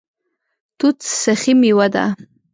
توت سخي میوه ده